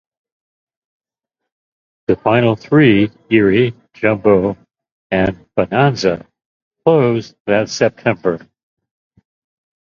The final three, Erie, Jumbo and Bonanza, closed that September.